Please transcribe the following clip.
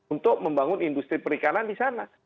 untuk membangun industri perikanan di sana